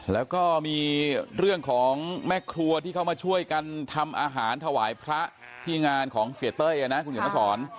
แล้วก็มีเรื่องของแม่ครัวที่เข้ามาช่วยกันทำอาหารถวายพระที่งานของเสียเต้ยนะคุณเขียนมาสอน